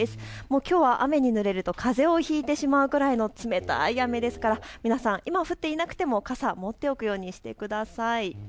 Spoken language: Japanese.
きょうは雨にぬれるとかぜをひいてしまうくらいの冷たい雨ですから皆さん、今は降っていなくても傘は持っておくようにしてください。